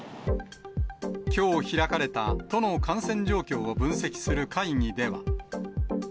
きょう開かれた、都の感染状況を分析する会議では。